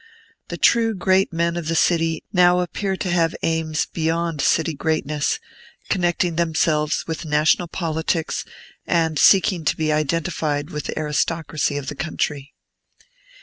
The true great men of the city now appear to have aims beyond city greatness, connecting themselves with national politics, and seeking to be identified with the aristocracy of the country.